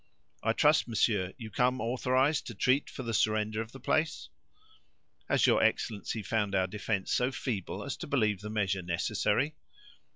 I trust, monsieur, you come authorized to treat for the surrender of the place?" "Has your excellency found our defense so feeble as to believe the measure necessary?"